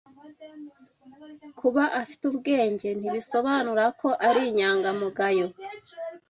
Kuba afite ubwenge, ntibisobanura ko ari inyangamugayo.